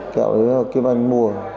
kẹo đấy là kiếm anh mua